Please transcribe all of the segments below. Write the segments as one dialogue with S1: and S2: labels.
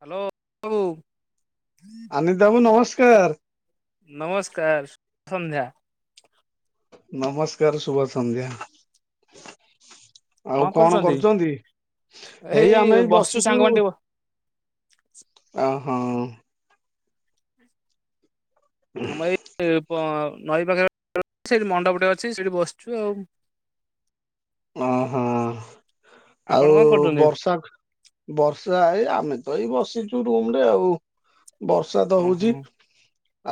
S1: Hello. [unintelligible]
S2: Amit ବାବୁ ନମସ୍କାର।
S1: ନମସ୍କାର ଶୁଭ ସନ୍ଧ୍ୟା।
S2: ନମସ୍କାର ଶୁଭ ସନ୍ଧ୍ୟା। ଆଉ କଣ କରୁଚନ୍ତି?
S1: ଏଇ ବସିଛୁ ସାଙ୍ଗମାନେ ଟିକେ
S2: ଅ ହଁ।
S1: ଆମର ଏଇ ବ ନଈ ପାଖରେ ସେଠି ମଣ୍ଡପ ଟେ ଅଛି ସେଠି ବସିଚୁ ଆଉ।
S2: ଅ ହ।
S1: ଆପଣ
S2: ଆଉ
S1: କଣ କରୁଛନ୍ତି?
S2: ବର୍ଷା ବର୍ଷା ଏଇ ଆମେ ତ ଏଇ ବସିଚୁ ରୁମ୍ ରେ ଆଉ। ବର୍ଷା ତ ହଉଚି
S1: ଓହୋ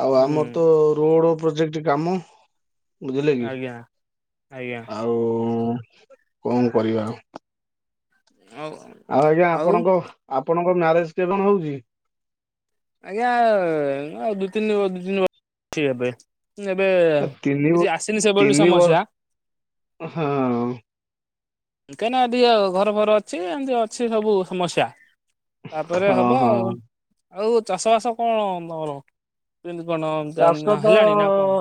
S2: ଆଉ
S1: ହୁଁ
S2: ଆମର ତ ରୋଡ ପ୍ରୋଜେକ୍ଟ କାମ। ବୁଝିଲେ କି।
S1: ଆଜ୍ଞା ଆଜ୍ଞା
S2: ଆଉ କଣ କରିବା ଆଉ।
S1: [unintelligible]
S2: ଆଉ ଆଜ୍ଞା ଆପଣଙ୍କ ଆପଣଙ୍କ ମ୍ୟାରେଜ୍ କେବେ କଣ ହଉଚି?
S1: ଆଜ୍ଞା। ଆଉ ଦୁଇ ତିନି ଦୁଇ ତିନି ବର୍ଷ [unintelligible] ହେବେ। ଏବେ
S2: ଏ ତିନି
S1: କିଛି ଆସିନି ସେଭଳି
S2: ତିନି ବର୍ଷ
S1: ସମସ୍ୟା।
S2: ହଁ।
S1: କାହିଁନା ଦିକେ ଘର ଫର ଅଛି ଏମିତି ଅଛି ସବୁ ସମସ୍ୟା। ତାପରେ
S2: ହଁ
S1: ହବ
S2: ହଁ
S1: ଆଉ। ଆଉ ଚାଷ ବାସ କଣ ତମର? କେମତି କଣ
S2: ଚାଷ
S1: ହେଲାଣି ନା କଣ?
S2: ତ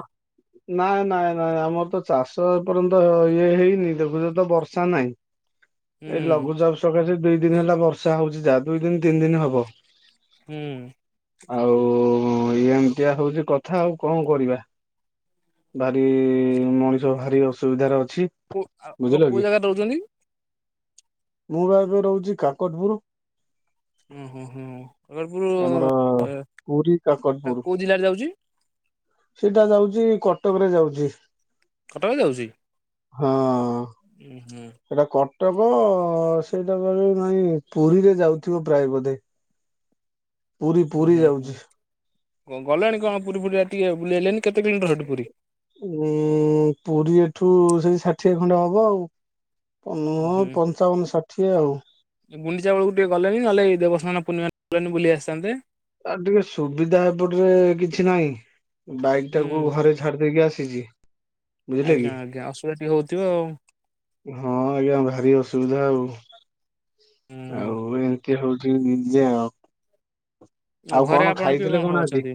S2: ନାଇଁ ନାଇଁ ନାଇଁ, ଆମର ତ ଚାଷ ଏପର୍ଯ୍ୟନ୍ତ ଇଏ ହେଇନି ଦେଖୁଛ ତ ବର୍ଷା ନାହିଁ।
S1: [inaudible]
S2: ଏଇ ଲଘୁଚାପ ସକାଶେ ଦି ଦିନ ହେଲା ବର୍ଷା ହଉଛି ଯାହା ଦୁଇ ଦିନ ତିନି ଦିନ ହବ।
S1: ହୁଁ।
S2: ଆଉ ଏମିତିଆ ହଉଛି କ କଥା ଆଉ କଣ କରିବା ଭାରି ମଣିଷ ଭାରି ଅସୁବିଧାରେ ଅଛି।
S1: କଉ ଆପଣ
S2: ବୁଝିଲ କି।
S1: କୋଉ ଜାଗାରେ ରହୁଛନ୍ତି?
S2: ମୁଁ ଭା ଏବେ ରହୁଛି କାକଟପୁର।
S1: ହୁଁ ହୁଁ ହୁଁ ଖଗରପୁର
S2: ଆମର ପୁରୀ କାକଟପୁର।
S1: କେଉ ଜିଲ୍ଲାର ଯାଉଛି?
S2: ସେଇଟା ଯାଉଛି କଟକରେ ଯାଉଛି।
S1: କଟକ ଯାଉଛି?
S2: ହଁ। ସେଇଟା କଟକ, ସେଇଟା କ ନାଇଁ ପୁରୀରେ ଯାଉଥିବ ପ୍ରାୟ ବୋଧେ। ପୁରୀ
S1: ହୁଁ
S2: ପୁରୀ ଯାଉଛି
S1: ହୁଁ, ଗଲେଣି କଣ ପୁରୀ ଫୁୁରଆ ଟିକେ ବୁଲିଆଲେଣିି କେତେ କିଲୋମିଟର ସେଠି ପୁରୀ?
S2: ପୁରୀ ଏଠୁ ସେଇ ଷାଠିଏ ଖଣ୍ଡେ ହବ ଆଉ। ପନ ପଞ୍ଚାବନ ଷାଠିଏ ଆଉ।
S1: ଗୁଡିଚା ବେଳକୁ ଟିକେ ଗଲେଣି ନହେଲେ ଦେବସ୍ନ ପୂର୍ଣିମା ଗଲେଣି ବୁଲି ଆସିଥାନ୍ତେ।
S2: ଆ ଟିକେ ସୁବିଧା ଏପଟରେ କିଛି ନାହିଁ। ବାଇକ୍
S1: ହୁଁ।
S2: ଟାକୁ ଘରେ ଛାଡ଼ିଦେଇକି ଆସିଛି। ବୁଝିଲେ
S1: ଆଜ୍ଞା
S2: କି।
S1: ଆଜ୍ଞା। ଅସୁବିଧା ଟିକେ ହୋଉଥିବ ଆଉ?
S2: ହଁ ଆଜ୍ଞା ଭାରି ଅସୁବିଧା ଆଉ। ଆଉ ଏମିତି ହଉଛି ନିଜେ ଆଉ। ଆଉ
S1: ଘରେ
S2: କଣ
S1: ଆପଣ କିଏ
S2: ଖାଇଥିଲେ
S1: କଣ ସବୁ
S2: ଆଜି
S1: ଅଛନ୍ତି?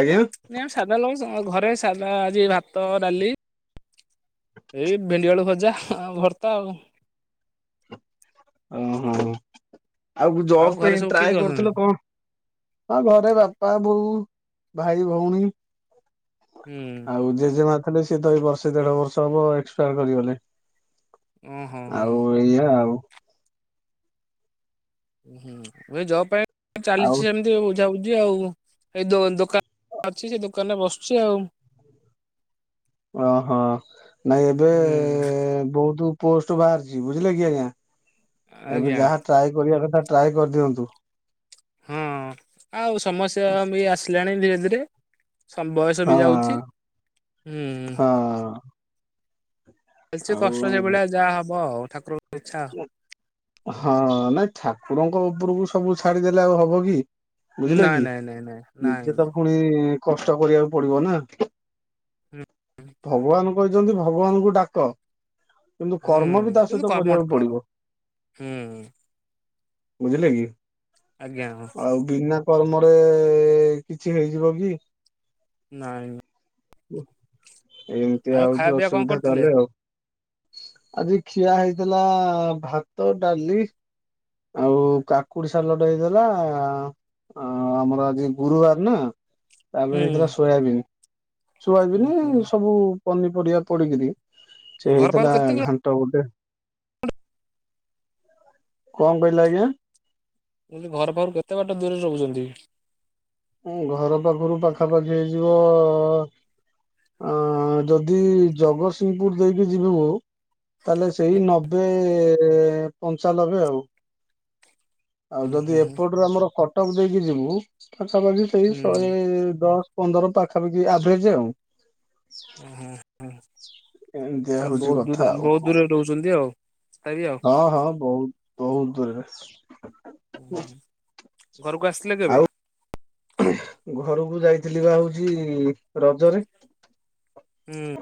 S2: ଆଜ୍ଞା
S1: ନାଇଁ ଆମେ ସାଧା ଲୁ ଘରେ ସାଧା ଆଜି ଭାତ ଡାଲି ଏଇ ବେଣ୍ଡିଆଳୁ ଭଜା ଆଉ ଭର୍ତ୍ତା ଆଉ।
S2: ଓହୋ ଆଉ ଜବ୍
S1: ଘରେ
S2: ପାଇଁ
S1: ସବୁ କିଏ
S2: ଟ୍ରାଏ
S1: କିଏ ଅଛନ୍ତି?
S2: କରୁଥିଲ କଣ ମୋ ଘରେ ବାପା ବୋଉ ଭାଇ ଭଉଣୀ।
S1: ହୁଁ।
S2: ଆଉ ଯେ ଯେ ମା ଥିଲେ ସିଏ ତ ଏଇ ବର୍ଷେ ଦେଢ ବର୍ଷ ହବ ଏକ୍ସପାୟାର କରିଗଲେ।
S1: ଓହୋ ହୋ ହୋ।
S2: ଆଉ ଏଇଆ ଆଉ।
S1: ଏବେ ଜୋବ ପାଇଁ
S2: ଆଉ
S1: ଚାଲିଛି ସେମିତି ଆଉ। ଯାଉଛି ଆଉ ଏଇ ଦ ଦୋକାନ ଅଛି ସେ ଦୋକାନରେ ବସୁଛି ଆଉ। [inaudible]
S2: ଓହୋ ନାଇଁ ଏବେ
S1: ହୁଁ
S2: ବହୁତୁ ପୋଷ୍ଟ ବାହାରିଛି ବୁଝିଲେ କି ଆଜ୍ଞା। ଏବେ
S1: ଆଜ୍ଞା
S2: ଯାହା ଟ୍ରାଏ କରିବା କଥା ଟ୍ରାଏ କରିଦିଅନ୍ତୁ।
S1: ହଁ ହଁ ଆଉ ସମସ୍ୟା ବି ଆସିଲାଣି ଧୀରେ ଧୀରେ। ବୟସ
S2: ହଁ
S1: ବି ଯାଉଛି ହୁଁ।
S2: ହଁ
S1: ବେସି
S2: ଆଉ
S1: କଷ୍ଟ ସେଭଳିଆ ଯାହା ହବ ଆଉ ଠାକୁର ଙ୍କ ଇଚ୍ଛା। ଆଉ
S2: ହଁ ନାଇଁ ଠାକୁରଙ୍କ ଉପରକୁ ସବୁ ଛାଡିଦେଲେ ଆଉ ହବ କି। ବୁଝିଲେ
S1: ନାଇଁ
S2: କି?
S1: ନାଇଁ ନାଇଁ ନାଇଁ
S2: ନିଜେ ତ
S1: ନାଇଁ
S2: ପୁଣି କଷ୍ଟ କରିଆକୁ ପଡିବ ନା।
S1: ହୁଁ
S2: ଭଗବାନ କହିଛନ୍ତି ଭଗବାନଙ୍କୁ ଡାକ। କିନ୍ତୁ
S1: ହୁଁ
S2: କର୍ମ ବି ତା
S1: କିନ୍ତୁ
S2: ସହିତ
S1: କର୍ମଟା
S2: କରିବାକୁ
S1: କର
S2: ପଡିବ
S1: ହୁଁ
S2: ବୁଝିଲେ କି।
S1: ଆଜ୍ଞା।
S2: ଆଉ ବିନା କର୍ମରେ କିଛି ହେଇଯିବ କି?
S1: ନାଇଁଁ।
S2: ଏମିତିଆ
S1: ଆଉ ଖାଇବା
S2: ହୋଉଛି
S1: ପିଇବା କଣ
S2: ଅସୁବିଧା
S1: କରିଥିଲେ?
S2: ତାହାଲେ ଆଉ। ଆଜି ଖିଆ ହେଇଥିଲା ଭାତ ଡାଲି। ଆଉ କାକୁଡି ସାଲଟ ହେଇଥିଲା ଆ ଆମର ଆଜି ଗୁରୁବାର ନା ତାପରେ
S1: ହୁଁ
S2: ହେଇଥିଲା ସୋୟାବିନି
S1: ଉଁ
S2: ସୋୟାବିନି।
S1: ହୁଁ
S2: ସବୁ ପନିପରିବା ପଡିକିରି ସେ
S1: ଘର
S2: ହେଇଥିଲା
S1: ପାଖରୁ କେତେ କିଲୋ
S2: ଘାଣ୍ଟ। ଟ ଗୋଟେ। ଙ୍କ କଇଲେ ଆଜ୍ଞା?
S1: ମୁଁ କହିଲି ଘର ପାଖରୁ କେତେ ବାଟ ଦୂରରେ ରହୁଛନ୍ତି?
S2: ଘର ପାଖରୁ ପାଖାପାଖି ହେଇଯିବ ଆ ଯଦି ଜଗତସିଂହପୁରୁ ଦେଇକି ଯିବୁ ତାହେଲେ ସେଇ ନବେ ପଞ୍ଚାଲବେ ଆଉ। ଆଉ
S1: ଉଁ
S2: ଯଦି
S1: ହୁଁ ହୁଁ
S2: ଏପଟରେ ଆମର କଟକ ଦେଇକି ଯିବୁ ପାଖାପାହି ସେଇ
S1: ହୁଁ
S2: ଶହେ ଦଶ ପନ୍ଦର ପାଖାପାଖି ଆଭରେଜେ ଆଉ।
S1: ଉ ଉ
S2: ଏମିତିଆ
S1: ତାହଲେ
S2: ହଉଛି
S1: ବୋହୁତ
S2: କଥା
S1: ଦୂରେ
S2: ଆଉ
S1: ବୋହୁତ
S2: କଣ
S1: ଦୂରରେ ରହୁଛନ୍ତି ଆଉ। ତଥାପି ଆଉ।
S2: ହଁ ହଁ ବୋହୁତ ବୋହୁତ ଦୂର ରେ
S1: ଘରୁକୁ ଆସଥିଲେ କେବେ?
S2: ଘରୁକୁ ଯାଇଥିଲି ପା ହୋଉଚି ରଜ ରେ।
S1: ହୁଁ।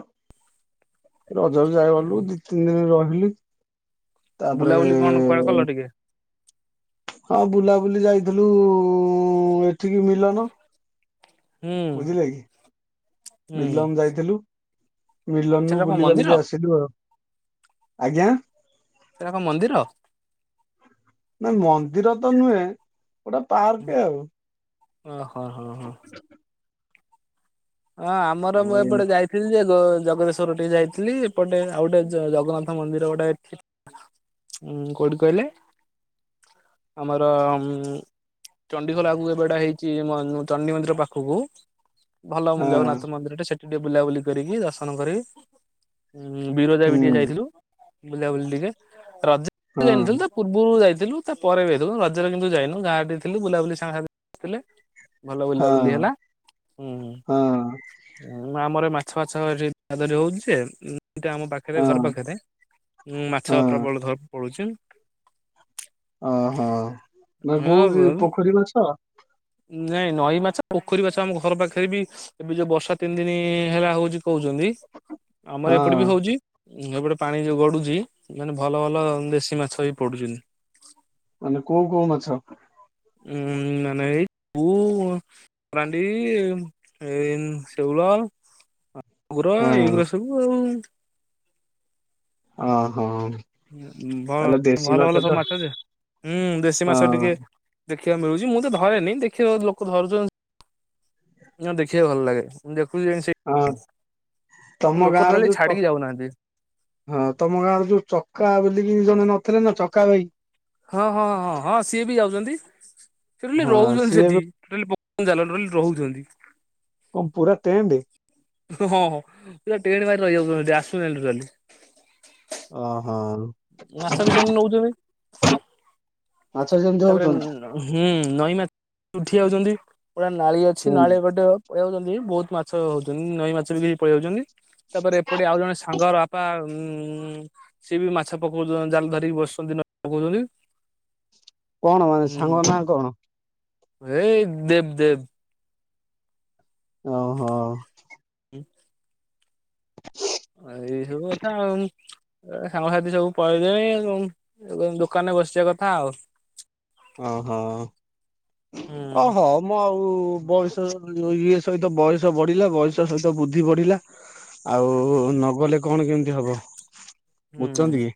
S2: ରଜରେ ଯାଏ ଗଲୁ ଦି, ତିନ ଦିନ ରହିଲୁ ତାପରେ
S1: ବୁଲାବୁଲି କଣ କୁଆଡେ କଲ
S2: ଏ
S1: ଟିକେ
S2: ହଁ ବୁଲାବୁଲି ଯାଇଥିଲୁ ଏଠିକି ମିଲନ
S1: [inaudible] ହୁଁ
S2: ବୁଝିଲେ କି?
S1: ହୁଁ
S2: ବିଲମ ଯାଇଥିଲୁ। ମିଲନରୁ
S1: ସେଟା କଣ
S2: ବୁଲି
S1: ମନ୍ଦିର
S2: ବାଲିକି ଆସିଲୁ ଆଉ। ଆଜ୍ଞା!
S1: ସେଟା ଙ୍କ ମନ୍ଦିର?
S2: ନା ମନ୍ଦିର ତ ନୁହେଁ, ଗୋଟେ ପାର୍କ ଆଉ।
S1: ଓ ହୋ ହୋ ହୋ। ହଁ ଆମର ମୁଁ
S2: ଆଉ ଏମ
S1: ଏପଟେ ଯାଇ ଥିଲି ଯେ ଗୋ ଜଗଦେଶ୍ଵର ଟିକେ ଯାଇଥିଲି। ଏପଟେ ଆଉ ଗୋଟେ ଜଗନ୍ନାଥ ମନ୍ଦିର ଗୋଟେ ପି ପି ଉଁ କୋଉଠି କଇଲେ ଆମର ଉମ୍ ଚଣ୍ଡିଖୋଲ ଆଗକୁ ଏବେଡା ହେଇଛି ଚଣ୍ଡୀ ମନ୍ଦିର ପାଖୁକୁ ଭଲ ମୁଁ
S2: ହଁ
S1: ଜଗନ୍ନାଥ ମନ୍ଦିର ଟେ ସେଠି ଟିକେ ବୁଲାବୁଲି କରିକି ଦର୍ଶନ କରିକି ହଁ ବିରଜା ବି ଟିକେ
S2: ହୁଁ
S1: ଯାଇଥିଲୁ। ବୁଲାବୁଲି ଟିକେ ରଜ
S2: ହଁ
S1: ଯାଇନଥିଲୁ ତ ପୂର୍ବୁରୁ ଯାଇଥିଲୁ ତା ପରେବି ଯାଇଥିଲୁ ରଜରେ କିନ୍ତୁ ଯାଇନୁ ଗାଁ ଟିକେ ଥିଲି ବୁଲାବୁଲି ସାଙ୍ଗ ସାଥି ଥିଲେ। ଭଲ ବୁିଲା ବୁଲି ହେଲା ହୁଁ
S2: ହଁ
S1: ମାପ ଆମର ମାଛ ଫାଛ ଏଠି ଦରା ଧରି ହୋଉଚି ଯେ ଏଠି ଆମ ପାଖ
S2: ହଁ
S1: ଏବେ ଘରେ ପାଖରେ ହୁଁ
S2: ହଁ
S1: ମାଛ
S2: ହଁ
S1: ପ୍ରବଳ ଧର ପଡୁଛି।
S2: ଓହୋ। ଭାଇ କୋଉଠି ପୋଖରୀ ମାଛ?
S1: ନାଇଁ ନଈ ମାଛ ପୋଖରୀ ମାଛ ଆମ ଘର ପାଖରେ ବି ଏବେ ଯୋଉ ବର୍ଷା ତିନି ଦିନ ହେଲା ହଉଛି କହୁଛନ୍ତି
S2: ହଁ
S1: ଆମର ଏପଟେ ବି ହୋଉଚି ଉଁ ଏପଟେ ପାଣି ଯୋଉ ଗଡୁଛି ମାନେ ଭଲ ଭଲ ଦେଶୀ ମାଛ ବି ପଡୁଛନ୍ତି।
S2: ମାନେ କୋଉ କୋଉ ମାଛ?
S1: ଉଁ ନା ନାଇଁ ଏଇ ପୁ କେରାଣ୍ଡି ଏ ସେଉଳ ଭାକୁର
S2: ହଁ
S1: ଏଇଗୁରା ସବୁ ଆଉ।
S2: ଅଁ ହଁ।
S1: ଭ ଭଲ ଭଲ ସବୁ ମାଛ ଯେ ହୁଁ ଦେଶୀ ମାଛ
S2: ହଁ
S1: ଟିକେ ଦେଖିବାକୁ ମିଳୁଚି ମୁଁ ତ ଧରେନି ଦେଖିବା ଲୋକ ଧରୁଚନ୍ତି। ନା ଦେଖିବାକୁ ଭଲ ଲାଗେ ମୁଁ ଦେଖୁଚି ସେ
S2: ହଁ ତମ
S1: ଓ ଲୋକ ତା
S2: ଗାଁର
S1: ହେଲେ
S2: ଯୋଉ ଚ
S1: ଛାଡିକି ଯାଉନାହାନ୍ତି।
S2: ହଁ ତମ ଗାଁରେ ଯୋଉ ଚକା ବୋଲିକି ଜଣେ ନଥିଲେ ନା ଚକା ଭାଇ।
S1: ହଁ ହଁ ହଁ ହଁ ସିଏ ବି ଯାଉଚନ୍ତି। ସେ ଟୋଟାଲି
S2: ହଁ ସିଏ ଏବେ
S1: ରହୁଚନ୍ତି ସେଠି [unintelligible]
S2: କଣ ପୁରା ଟେଣ୍ଡେ?
S1: ହଁ ପୁରା ଟେଣ୍ଡେ ମାରି ରହିଯାଉଛନ୍ତି ଆସୁନାହାନ୍ତି ଟୋଟାଲି।
S2: ଓହୋ।
S1: ମାଛ ବି ସେମତି ନଉଚନ୍ତି।
S2: ମାଛ ବି ସେମ୍
S1: ତାପରେ ହୁଁ ନଈ ମାଛ ଉଠି ଯାଉଚନ୍ତି ପୁରା ନାଳି ଅଛି
S2: ହୁଁ
S1: ନାଳି ପଟେ ପଳେଇଆଉଚନ୍ତି ବହୁତ ମାଛ ହଉଛନ୍ତି ନଈ ମାଛ ବି କିଛି ପଳେଇଆଉଚନ୍ତି ତାପରେ ଏପଟେ ଆଉ ଜଣେ ସା ସାଙ୍କର ବାପା ଉଁ ସିଏ ବି ମାଛ ପକଉଛନ୍ତି ଜାଲ ଧରିକି ବସୁଛନ୍ତି ନଈ ରେ ପକଉଛନ୍ତି।
S2: କଣ ମାନେ ସାଙ୍ଗ ନାଁ କଣ?
S1: ହେଇ ଦେବ୍ ଦେବ୍
S2: ଓହୋ।
S1: ହୁଁ।
S2: ହ [unintelligible]
S1: ଏଇ ସବୁ କଥା ଆଉ। ଏ ସାଙ୍ଗସାଥି ସବୁ ପଳେଇଲେଣି ଦୋକାନରେ ବସିବା କଥା ଆଉ।
S2: ଓହୋ
S1: ହୁଁ
S2: ଅ ହଉ ମୁଁ ଆଉ ବୟସ ଇଏ ସହିତ ବୟସ ବଢିଲା ବୟସ ସହିତ ବୁଦ୍ଧି ବଢିଲା। ଆଉ ନଗଲେ କଣ କେମିତି ହବ
S1: ହୁଁ
S2: ବୁଝଚନ୍ତି କି?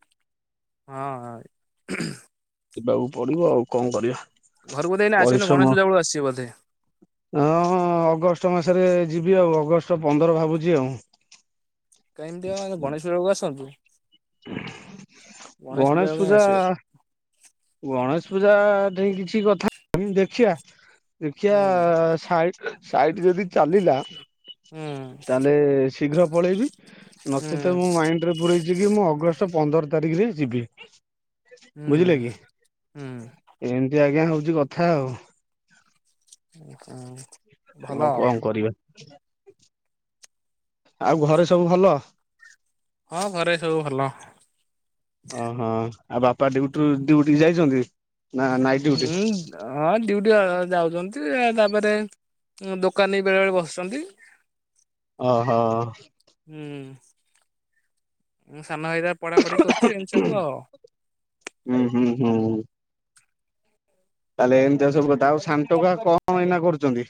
S1: ହଁ [unintelligible]
S2: ଯିବାକୁ ପଡିବ ଆଉ କଣ କରିବା।
S1: ଘରୁକୁ ତ ଏଇନା ଆସିବନି ଗଣେଶ ପୂଜା ବେଳକୁ ଆସିବ ବୋଧେ?
S2: ଅଁ ହଁ ଅଗଷ୍ଟ ମାସରେ ଯିବି ଆଉ ଅଗଷ୍ଟ ପନ୍ଦର ଭାବୁଚି ଆଉ।
S1: [unintelligible] ଗଣେଶପୂଜା ବେଳକୁ ଆସନ୍ତୁ।
S2: ଗଣେଶ
S1: ବେଳକୁ କାଇଁ
S2: ପୂଜା
S1: ଆସିବେ
S2: ଗଣେଶ ପୂଜା ଠେଇଁ କିଛି କଥା ନାହିଁ ଦେଖିଆ ଦେଖିଆ
S1: ହୁଁ
S2: ସାଇଟ ସାଇଟ ଯଦି ଚାଲିଲା
S1: ହୁଁ।
S2: ତାହେଲେ ଶୀଘ୍ର ପଳେଇବି
S1: ହୁଁ
S2: ନଚେତ୍ ମୋ ମାଇଣ୍ଡ ରେ ପୂରେଇଚି କି ମୁଁ ଅଗଷ୍ଟ ପନ୍ଦର ତାରିକରେ ଯିବି। ବୁଝିଲେ
S1: ହୁଁ
S2: କି
S1: ହୁଁ
S2: ଏମତି ଆଜ୍ଞା ହଉଚି କଥା ଆଉ।
S1: ଉଁ ହୁଁ।
S2: ଆଉ କଣ କରିବା। ଆଉ ଘରେ ସବୁ ଭଲ?
S1: ହଁ ଘରେ ସବୁ ଭଲ।
S2: ଅଁ ହଁ ଆଉ ବାପା ଡିୟୁଟିରୁ ଡିୟୁଟି ଯାଇଚନ୍ତି ନା ନାଇଟ୍ ଡ୍ୟୁଟି
S1: ହୁଁ। ହଁ ଡିୟୁଟି ଯାଉଛନ୍ତି। ତାପରେ ଦୋକାନରେ ବି ବେଳେବେଳେ ବସୁଛନ୍ତି।
S2: ଓହୋ।
S1: ହୁଁ ମୋ ସାନ ଭାଇଟା ପଢ଼ାପଢ଼ି କରୁଛି। ଏମିତି ସବୁ ଆଉ।
S2: ହୁଁ ହୁଁ ହୁଁ ତାହେଲେ ଏମିତିଆ ସବୁ କଥା। ଆଉ ସାନ ଟୋକା କଣ ଏଇନା କରୁଚନ୍ତି।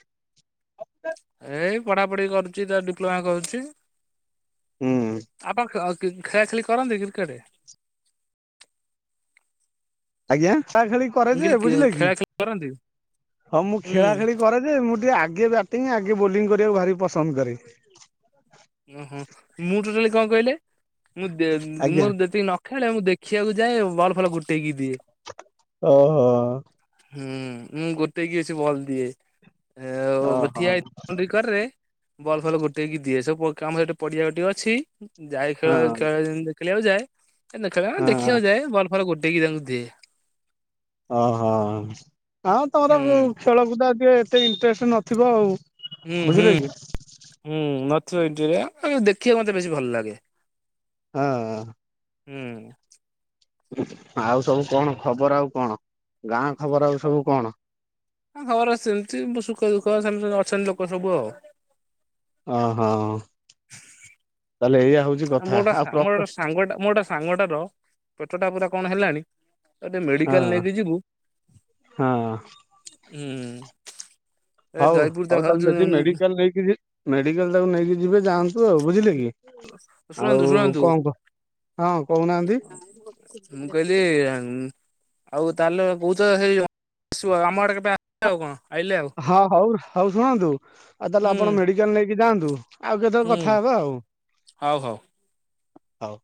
S1: ଏଇ ପଢ଼ାପଢ଼ି କରୁଚି ତାର ଡିପ୍ଲୋମା କରୁଚି।
S2: ହୁଁ
S1: ଆପ୍ କ୍ରିକ୍ ଖେଳା ଖେଳି କରନ୍ତି କ୍ରିକେଟ।
S2: ଆଜ୍ଞା ଖେଳା ଖେଳି କରେ
S1: ମୁଁ
S2: ଯେ
S1: କହିଲି
S2: ବୁଝିଲେ କି
S1: ଖେଳା ଖେଳି କରନ୍ତି
S2: ହଁ ମୁଁ
S1: ହୁଁ
S2: ଖେଳା ଖେଳି କରେ ଯେ ମୁଁ ଟିକେ ଆଗେ ବ୍ୟାଟିଙ୍ଗ ଆଗେ ବୋଲିଙ୍ଗ କରିବାକୁ ଭାରି ପସନ୍ଦ କରେ।
S1: ଓହୋ ମୁଁ ଟୋଟାଲି କଣ କହିଲେ? ମୁଁ ଦେ
S2: ଆଜ୍ଞା
S1: ମୋର ଯେତିକି ନ ଖେଳେ ମୁଁ ଦେଖିବାକୁ ଯାଏ। ବଲ ଫଲ ଗୋଟେଇକି ଦିଏ।
S2: ଓହୋ
S1: ହୁଁ ମୁଁ ଗୋଟେଇକି ଅସି କି ବଲ ଦିଏ। ଆଉ
S2: ଓହୋ
S1: ଠିଆ ବାଉଡିଙ୍ଗ କରେ ବଲ ଫଲ ଗୋଟେକି ଦିଏ। ସବୁ ପ ଆମର ସେଟି ପଡ଼ିଆ ଗୋଟିଏ ଅଛି। ଯାଏ
S2: ହଁ
S1: ଖେଳାଳି ଖେଳ ଖେଳିବାକୁ ଯାଏ। ଖେଳ ମାନେ
S2: ହଁ।
S1: ଦେଖିବାକୁ ଯାଏ। ବଲ୍ ଫଲ ଗୋଟେକି ତାଙ୍କୁ ଦିଏ।
S2: ଓହୋ ଆଁ ତମର
S1: ହୁଁ
S2: ବହୂ ଖେଳକୁଦ ଟିକେ ଏତେ ଇଣ୍ଟରେଷ୍ଟ ନଥିବ ଆଉ।
S1: ହୁଁ ହୁଁ
S2: ବୁଝିଲେ କି?
S1: ହୁଁ ନଥିବ ଏଇଠିରେ ଦେଖିବା ମତେ ବେଶୀ ଭଲ ଲାଗେ।
S2: ହଁ
S1: ହୁଁ
S2: ଆଉ ସବୁ କଣ ଖବର ଆଉ କଣ ଗାଁ ଖବର ଆଉ ସବୁ କଣ?
S1: ହଁ ଖବର ଆଜି ଚାଲିଚି ଏମିତି ସୁଖ ଦୁଃଖ ସାଙ୍ଗେ ଅଛନ୍ତି ଲୋକ ସବୁ ଆଉ।
S2: ଓହୋ ତାହେଲେ ଏଇଆ। ହଉଛି କଥା
S1: ମୁଁ ଗୋଟା
S2: ଆଉ ପ୍ରକ
S1: ମୋର ଗୋଟେ ସାଙ୍ଗଟା ମୋର ଗୋଟେ ସାଙ୍ଗଟାର ପେଟଟା ପୁରା କଣ ହେଲାଣି। ତାକୁ ଟିକେ ମେଡ଼ିକାଲ
S2: ହଁ
S1: ନେଇକି ଯିବୁ।
S2: ହଁ
S1: ହୁଁ। ଏ
S2: ହଉ
S1: ଜୟପୁର ତା
S2: ହଉ ତାହେଲେ
S1: ଭାବୁଛୁ
S2: ଯଦି ମେଡ଼ିକାଲ ନେଇକି ଯି ମେଡ଼ିକାଲ ତାକୁ ନେଇକି ଯିବେ ଯାଆନ୍ତୁ ଆଉ ବୁଝିଲେ କି। ଆଉ
S1: ଶୁଣନ୍ତୁ ଶୁଣନ୍ତୁ।
S2: କଣ କ ହଁ କହୁନାହାନ୍ତି
S1: ମୁଁ କହିଲି ଉଁ ଆଉ ତାହେଲେ କହୁଚ ସେଇ ଆସିବ। ଆମ ଆଡ଼େ କେବେ ହେଲା ଆଉ କଣ ଆଇଲେ ଆଉ।
S2: ହଁ ହଉ ହଉ ଶୁଣନ୍ତୁ। ଆଉ ତାହେଲେ
S1: ହୁଁ
S2: ଆପଣ ମେଡିକାଲ ନେଇକି ଯାଆନ୍ତୁ। ଆଉ କେତେବେଳେ
S1: ହୁଁ
S2: କଥା ହେବା ଆଉ।
S1: ହଉ ହଉ
S2: ହଉ।